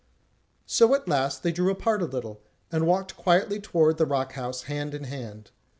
So at last they drew apart a little, and walked quietly toward the rock house hand in hand.